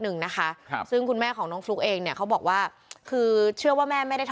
เอาไปก็ทำงานกันไม่ได้